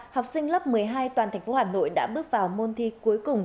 học sinh lớp một mươi hai toàn thành phố hà nội đã bước vào môn thi cuối cùng